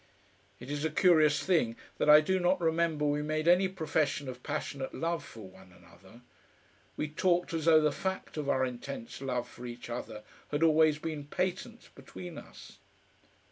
It is a curious thing that I do not remember we made any profession of passionate love for one another; we talked as though the fact of our intense love for each other had always been patent between us.